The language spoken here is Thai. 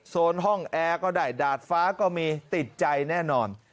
โซนห้องแอร์ก็ได้ดาดฟ้าก็มีติดใจแน่นอน